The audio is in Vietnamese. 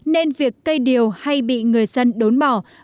nên việc cây điều hay bị người dân đốn bỏ